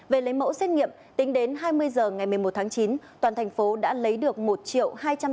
về lấy mẫu xét nghiệm tính đến hai mươi h ngày một mươi một tháng chín toàn thành phố đã lấy được một hai trăm tám mươi sáu chín trăm chín mươi mẫu